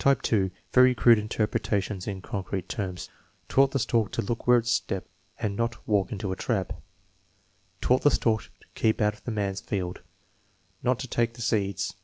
Type (2), very crude interpretations in concrete terms: "Taught the stork to look where it stepped and not walk into a trap." "Taught the stork to keep out of the man's field." "Not to take the seeds."